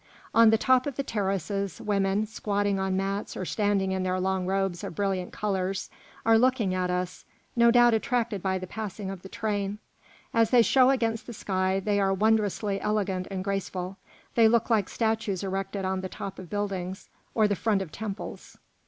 On the top of the terraces women, squatting on mats or standing in their long robes of brilliant colours, are looking at us, no doubt attracted by the passing of the train. As they show against the sky, they are wondrously elegant and graceful. They look like statues erected on the top of buildings or the front of temples.